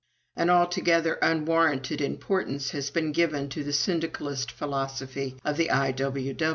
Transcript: "An altogether unwarranted importance has been given to the syndicalist philosophy of the I.